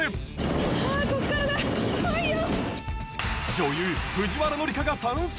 女優藤原紀香が参戦。